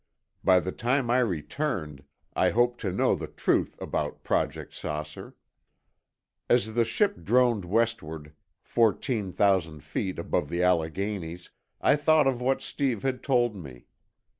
By the time I returned, I hoped to know the truth about Project "Saucer." As the ship droned westward, fourteen thousand feet above the Alleghenies, I thought of what Steve had told me.